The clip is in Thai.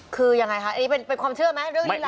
คือยังไงคะนี่เป็นความเชื่อมั้ยเรื่องที่รับ